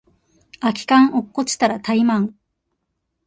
空き缶落っこちたらタイマン